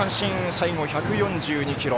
最後、１４２キロ。